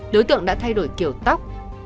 đối tượng đã thay đổi kiểu tóc